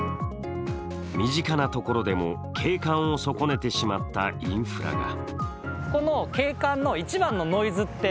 身近なところでも、景観を損ねてしまったインフラが。